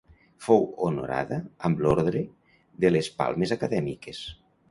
Fou honorada amb l'Ordre de les Palmes Acadèmiques.